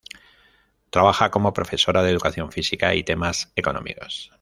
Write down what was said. Trabaja como profesora de educación física y temas económicos.